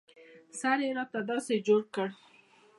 سر يې راته داسې جوړ کړ.